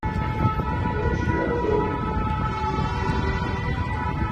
O tswe aa fa?